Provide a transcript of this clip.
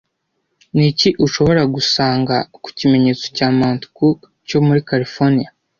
Ni iki ushobora gusanga ku kimenyetso cya Mount Cook cyo muri Californiya